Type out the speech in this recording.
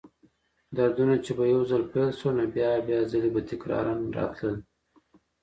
دردونه چې به یو ځل پیل شول، نو بیا بیا ځلې به تکراراً راتلل.